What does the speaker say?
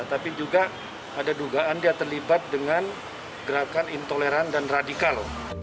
tapi juga ada dugaan dia terlibat dengan gerakan intoleran dan radikal